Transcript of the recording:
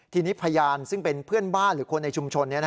ทีนี้พยานซึ่งเป็นเพื่อนบ้านหรือคนในชุมชน